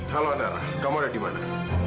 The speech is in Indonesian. halo andara kamu ada dimana